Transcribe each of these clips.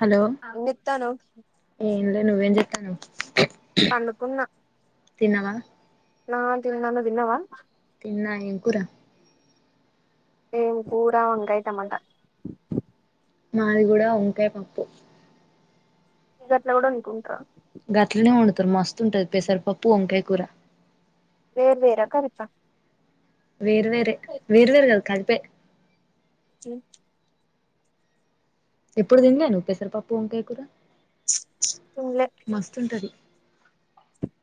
Hello ఏం చేత్తన్నావ్ ఏంలే నువ్వేం చేస్తావ్ పండుకున్నా తిన్నావా ఆ తిన్నాను నువ్వు తిన్నావా తిన్నా ఏం కూర ఏం కూర వంకాయ, టమాట మాది కూడా వంకాయ పప్పు ఈగట్ల కూడా నికు ఉంటారా గట్లనే వండుతారు మస్తుంటుది పెసరపప్పు, వంకాయ కూర వేరు వేరా కలిప వేరు వేరె వేరు వేరు కాదు కలిపే ఎప్పుడు తినలే నువ్వు పెసరపప్పు, వంకాయ కూర తిన్లే మస్తుంటది.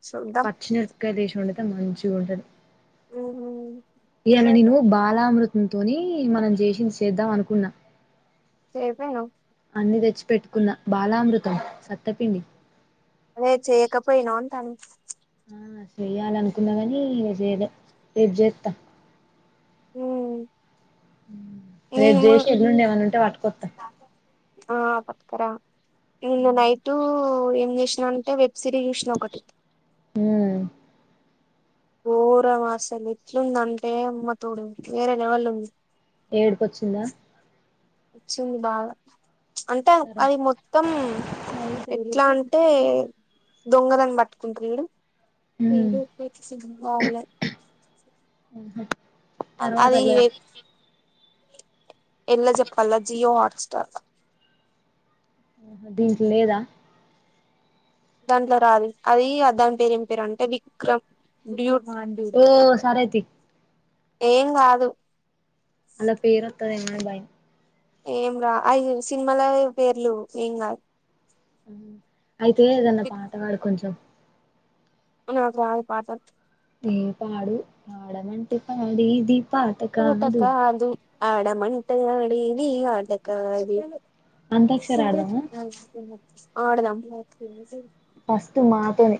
చూద్దాం పచ్చిమిరపకాయలు ఏసీ వండుత మంచిగ ఉంటది. ఈయల నేను బాలామృత తోనీ మనం చేసింది చేద్దాం అనుకున్న చేసాను పెట్టుకున్న బాలామృతం సత్తపిండి అదే చేయకపోయిన అంటాను హా చెయ్యాల అనుకున్నా కాని ఇంగ చేయలే రేపు చేస్తా హు రేపు చేసి ఎల్లుండి ఏమైన్నా ఉంటే పట్టుకొట్టా ఆ పట్టుకూర నిన్న నైట్ ఏం చేసినంటే వెబ్ సిరీస్ చూసిన ఒకటి ఉమ్ ఘోరం అసలు ఎట్లుంది అంటే అమ్మ తోడు వేరే లెవెల్ ఉంది. ఏడుపు వచ్చిందా వచ్చింది బాగా అంటే తర్వా అది మొత్తం ఎట్లా అంటే దొంగలని పట్టుకుంటరు ఉమ్ చూడు [unintelligible] ఆహా తర్వాత అది అలా ఎలా చెప్పాల జియో హాట్ స్టార్ ఆహ దీంట్ లేదా దాంట్లో రాదు అది దాని పేరు ఏం పేరు అంటేది విక్రమ్ బ్యూ ఓ సారేతీయ్ ఏం కాదు అలా పేరొత్తదేమోని భయం ఏం రా ఐదు సినిమాల పేర్లు ఏం కాదు అయితే ఏదన్నా పాటపాడు కొంచెం నాకు రాదు పాట ఏ పాడు పాడమంటున్న అది ఇది టాకాదు ఆడమంట ఆట ఆడేది ఆట కాదు అంత్యాక్షరి ఆడదామా [unintelligible] ఆడుదాం ఫస్ట్ మాతోని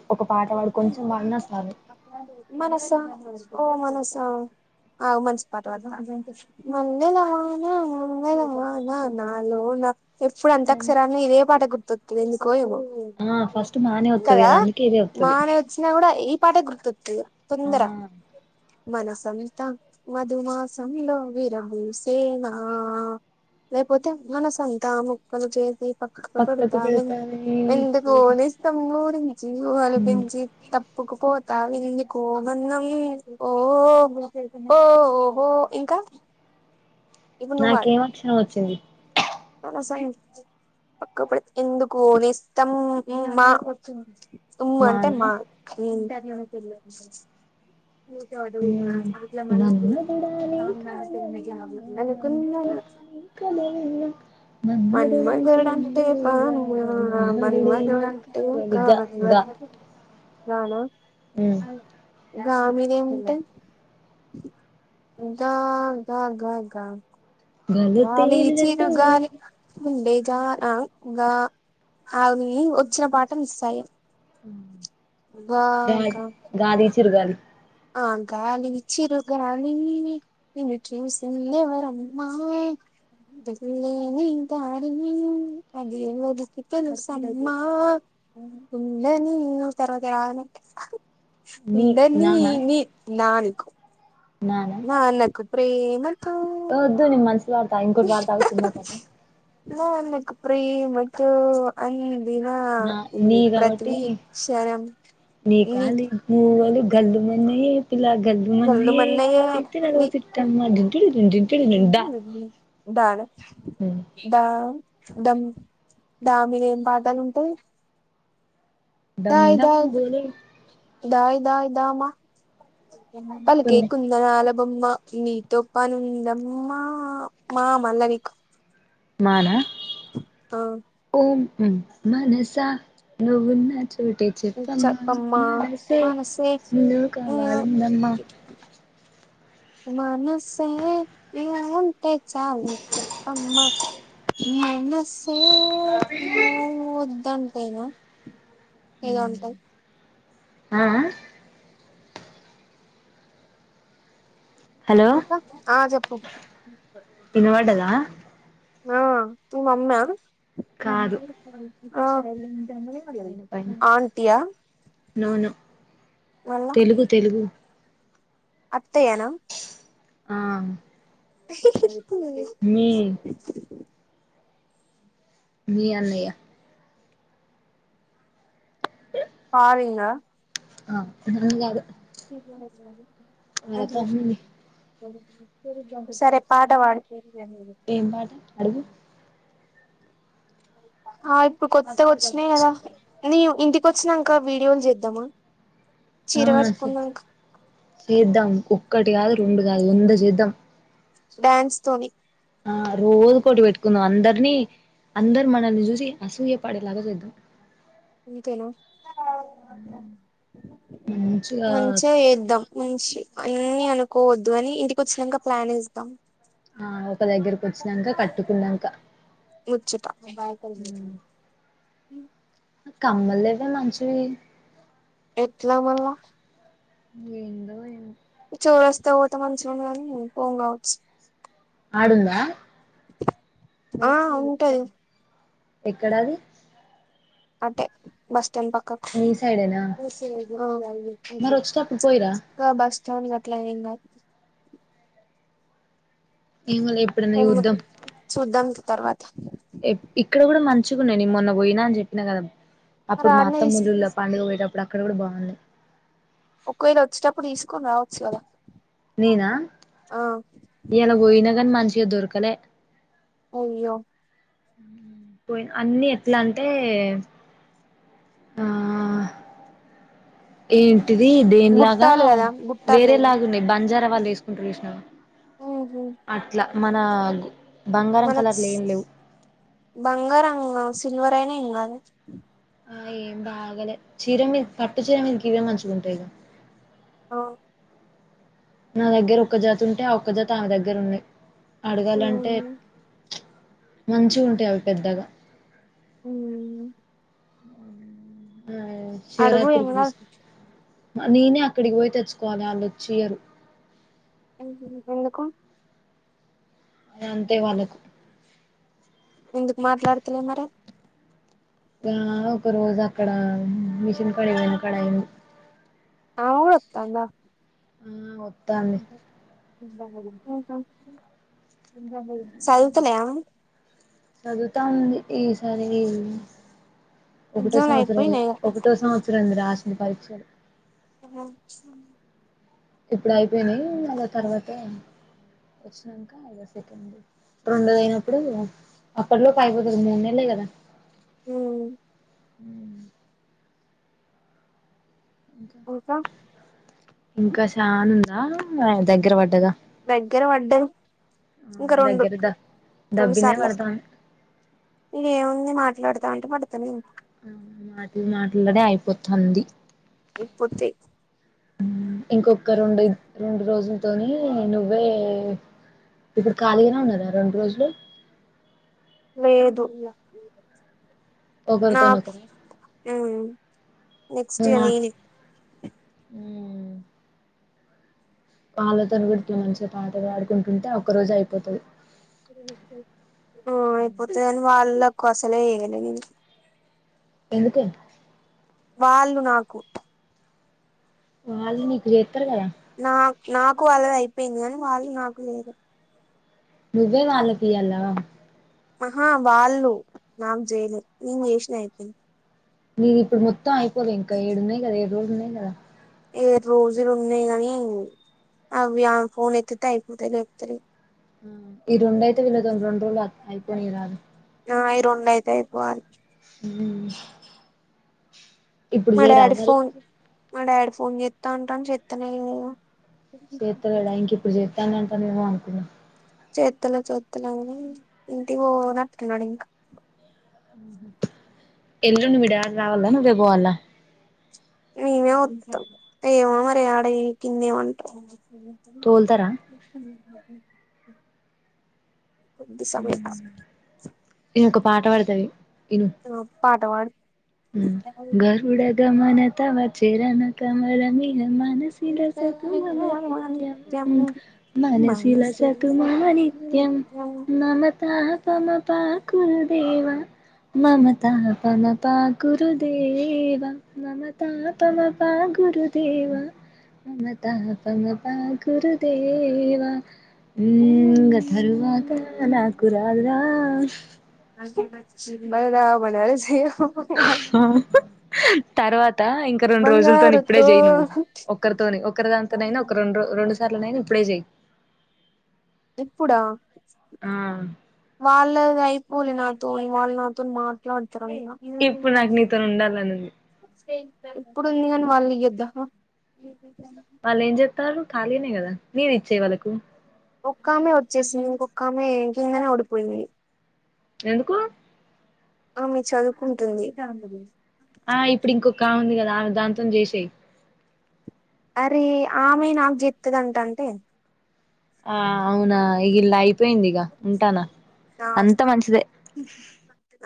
మనస ఓ మనస ఆగు మంచి పాట పాడుతా మల్లెల వాన మల్లెల వాన నా నాలో నా ఎప్పుడు అంతక్షరీ ఆడిన ఇదే పాట గుర్తొత్తది ఎందుకో ఏమో ఆ ఫస్ట్ మ నే అత్తది కదా అందుకే ఇదే వత్తది మానే వచ్చిన కూడా ఈ ప పాఠే గుర్తుకుత్తది ఆ తొందర మన సంత మధుమాసంలో విరపూసేనా లేకపోతే మన సంతా ముక్కలు చేసి పక్కకు పక్కకుపెడుతా పెడతానే ఎందుకు ఓ నేస్తం ఊరిం ఊహలు పెంచి తప్పుకు పోతావ్ ఎందుకు కోమన్నం ఓ ఓ హో ఇంకా ఇప్పుడు నువ్వు నాకేం అక్షరం వచ్చింది అస పక్కడు ఎందుకు ఓ నేస్తం మా మ్ము అంటే మాన మా మన్మధుడా నీ [unintelligible] కలగన్నా అనుకున్నానా మన్మధుడా నీ కలగన్నా మన్మధుడంటే మన్మధుడు అంటే నేరుగా కౌగిలిగా మన్మధుడే నా మన్మధుడంటే కావలి గ కావలిగా గ గాన ఉమ్ గ మీద ఏముంటాయి గ గ గ గాల్లో తేలినట్టు వుందే ముండేగా ఆ గ అని వచ్చిన పాట మిస్ ఐయ్యి ఊ బాగా చిరుగాలి ఆ గాలి చిరుగాలి నిన్ను చూసింది ఎవరమ్మా వెళ్లే నీ దారి అది ఎవరికి తెలుసమ్మా ఉండని తర్వాత రాదు నాకు, నీ ఉండని నానా నా నీకు నానా నాన్న కు ప్రేమతో వద్దు నేను మంచి పడతావు ఇంకోటి పాడుతాగు సినిమా పాట నాన్నకు ప్రేమతో అంకి ఈ నా నీ కాబట్టి ప్రతిక్షణం ఈ గల్ మా అన్నయ్య పిల్ల ఒళ్ళు గల్లుమన్నయే మన్నయే సిటీ నీ నడుముసిటీఆమ్మ దా దాన హు, దా దమ్ ద మీద ఏం పాఠాలు ఉంటాయి దమ్ దమ్ బోలే దాయి దాయి దామా పలుకే తుంది కుందనాల బొమ్మ నీతో పాని ఉందమ్మా మా మళ్ళా నీకు మా నా ఆ మనస నవున్నా చో చోటే చెప్పమ్మా మనసా మనసే నిన్నే ఆ కావాలందమ్మ మనసే నువ్వుంటే చాలు చెప్పమ్మా మనసే నువ్వు వద్దు అంటేనే ఏదో ఉంటది, ఆ హ ఇంక ఆ చెప్పు వినబడదా ఆ తూ మమ్మీ కాదు ఎంతో స్థిరంగా ఆ పైన పైన నో నో మళ్ళ తెలుగు తెలుగు అత్తయ్యనా ఆ మీ [inaudible] మీ అన్నయ్య పారింగ [unintelligible] అ వాళ్ళతో అమ్మింది సరే పాట పాడు ఏం పాట అడుగు ఆ ఇప్పుడు కొ వచ్చినయి గదా నీ ఇంటికి వచ్చినంక వీడియోలు చేద్దామా ఆ చీర కట్టుకున్నాక చేద్దాం ఒక్కటి కాదు రెండు కాదు వంద చేద్దాం డ్యాన్స్ తోని ఆ రోజుకోటి పెట్టుకుందాం అందరినీ అందరు మనల్ని చూసి అసూయ పాడేలాగా చేద్దాం అంతేనా మంచిగా చేద్దాం మంచి అన్నీ అనుకోవద్దు అని ఇంటికి వచ్చినాక ప్లాన్ వేస్తాం ఆ అక్క దగ్గరకి వచ్చినంక కట్టుకునంక ముచ్చట [inaudible] కమ్మల్ లేవే మంచిువి ఎట్లా మళ్ళా ఏంద ఏం చోరు వస్తే పోతే మంచిగా ఉండ కాని పోం కావచ్చు ఆడుందా ఆ ఉంటాయి ఎక్కడాది అంటే మస్ పక్క మీ సైడేనా మరి వచ్చేటప్పుడు పోయిరా బస్ ౌన్ గట్లా ఏకా ఏమోలే ఎప్పుడైనా చూద్దాం చూద్దం తర్వాత ఇక్కడ కూడా మంచిగాన్నాయి నేను మొన్న పోయినా అని చెప్పినా కదా మరి అప్పుడు ఆడనే మాత్తమ్ములులో పండుగ పోయటప్పుడు ఇప్పుడు అక్కడ కూడా బాగుంది ఒకవేళ వచ్చేటప్పుడు తీసుకొని రావచ్చు కదా నేనా ఆ ఇలా పోయినా కాని మంచి దొర్కనే అయ్యో పోయి అన్ని ఎట్లా అంటే ఆ ఏ ది దేని లాగా బుట్టాలు కదా బుట్టాలు వేరే లేవా లాగు ఉన్నాయి బంజారు ళ్ళు తీసుకుంటు చూసినవా ఉహు అట్లా మన బంగారం మనకు కలర్లు ఏం లేవు బంగారం సిల్వర్ అయినా ఇ అ ఆ ఏం బాగాలేదు చీర మీ పట్టు చీర మీద గ ఇవే మంచిగాంటాయి గా ఓ నా దగ్గర ఒక్క జాతి ఉంటే ఆ ఒక్క జాతి ఆమె దగ్గర ఉన్నా అడగాలంటే అవును మంచి ఉంటాయి అవి పెద్దగా హ ఆ అడుగు ఏం శివరాత్రికి కాదు తీసు నేనే అక్కడికి పోయి తెచ్చుకోవాలి వాళ్ళు వచ్చియరు [inaudible] ఎందుకు అ అంతే వాళ్ళకు ఎందుకు మాట్లాడుతులే మరి ఇ ఒక రోజు అక్కడ మిషన్ కడిపోను అక్కడ అయి ఆ ఊడుత అందా ఆ వత్తాంది సదువుతున్నావా చదువుతా ఉంది ఈ సరి ఈ ఒకటో ఎగ్జామ్లు సంవత్సరం అయిపోయినాయి ఒకటో సంవత్సరం అంది రా ఇది పరిచ ఇప్పుడు అయిపోయినాయి, అదో తర్వాత వచ్చినాక ఐదో సెకం, రెండోది అయినప్పుడు అప్పలోకి అయిపోతుంది మూడు నెల్లె కదా మ్ మ్ ఇంకా ఇంకా చానుందా దగ్గర పడ్డగా దగ్గర వడ్డది ఇంకా ఆ రెండు దగ్గర ద రెండు దబ్బినే సార్లు పడతాంది ఇరు ఏముంది మా ట్లాడుతా అంటే పడుతునాయ్ ఆ మాటివి మాట్లాడే అయిపోతంది ఇప్పుతే మ్ ఇంకొక రెండు రెండు రోజులతోని నువ్వే ఇప్పుడు ఖాళీగానే ఉన్నారా రెండు రోజులు లేదు నా ఒకరితోనొకరు మ్ నెక్స్ట్ ఇయర్ నేని ఊ ఇంగా తరువాత నాకు రాదు రా పాలతోను కూడా ఇట్ల మంచి పాటలు పాడుకుంటుంటే ఒక్క రోజు అయిపోతది ఆ అయిపోతదని వాళ్ళకు అసలే ఇయ్యలే నేను ఎందుకే వాళ్ళు నాకు అల్నికు చెప్ ఏత్తరు కదా నా నాకు వాళ్ళది అయిపోయింది కానీ వాళ్ళు నాకు లేదు నువ్వే వాళ్ళకి ఇయ్యాల ఆహా వాళ్ళు నాకు జైలు నేను చేసిన అయితే మీరు ఇప్పుడు మొత్తం అయిపోలేదు ఇంకా ఏడు ఉన్నాయి కదా ఏడు రోజులున్నాయి ఉంది కదా ఏడు రోజులు ఉన్నాయి గానీ అవి ఆ ఫోన్ ఎత్తితే అయిపోతాయి లేపుతారు ఈ రెండు అయితే వీళ్లతోనీ రెండు రోజులు అయిపోని రాదు ఆయి రెండయితే అయిపోవాలి ఉ ఇప్పుడు మా చేయరాదు డాడీ మరి ఫోన్ మా డాడీ ఫోన్ చేత్తా అంటాడు చెస్తానే లేడుగా చేత్తా లేడా ఇంకెప్పుడు చే దాన్ని అంటారేమో అనుకున్న చేత్తాలే చేతలే ఇంటికి వోనట్టు ఉన్నడు ఇంకా ఎల్లుండి మీ డాడీ రావాల నువ్వే పోవాలా మేమే వత్తాం ఏమో మరి ఆడ ఈ కిందేమంటరో తోల్తరా కొద్ది సమయం ఈయనొక పాట పాడతావి ఆ పాటవాడ్ గరుడగమన తవ తవ చరణ కమరమేహ మనసి లసతు మమ నిత్యం మనసి లసతు మమ నిత్యం మమ త మమ పా గురుదేవా మమ త మమ పా గురుదేవ మమ తాపమ పా గురుదేవ మమ తాపమ పా గురుదేవా ఊ ఇంగా తరువాత నాకు రాదు రా [unintelligible] [inaudible] తర్వాత ఇంకా రెండు రోజులతో ఇప్పుడే బంగారుతో చేయయి నువ్వు ఒకరితో ఒకరి దాంతనైనా ఒక రెండు రెండు సార్లునైనా ఇప్పుడే చేయి ఇప్పుడా ఆ వాళ్ళది అయిపోలిన వాళ నాతో మాట్లాడ ఇప్పుడు నాకు నీతోని ఉండాలని ఉంది ఇప్పు వాళ్లు ఇవ్వద వాళ్ళ ఏం జత్తరు ఖాళీనే కదా నేను ఇచ్చే వాళ్ళకు ఒక్కామె వచ్చేసింది ఇంకొక్కామె ఇంకందనే ఓడిపోయింది ఎందుకు ఆ మీ చదువుకుంటుంది ఆ ఇప్పుడు ఇంకొక కా ఉంది కదా దాంతో చేసేయి అరే ఆమెయి నాకు చెప్తుదంట అంటే ఆ అవునాగిలాయి అయిపోయిగా ఉంటానా నా అంత మంచిదే